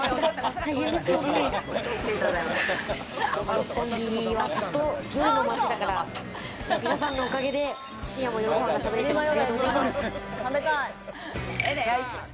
六本木は、ずっと夜の町だから皆さんのおかげで深夜も夜ご飯が食べれてますね。